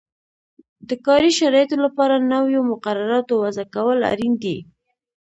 د کاري شرایطو لپاره نویو مقرراتو وضعه کول اړین دي.